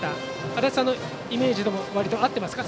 足達さんのイメージとはわりと、合っていますか。